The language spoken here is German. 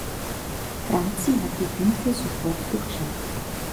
Franzi hat die Finte sofort durchschaut.